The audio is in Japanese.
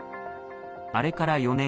あれから４年。